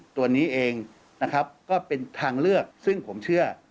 ตัวนี้เองนะครับก็เป็นทางเลือกซึ่งผมเชื่อ